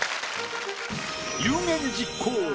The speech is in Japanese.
有言実行！